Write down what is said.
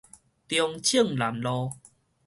中正南路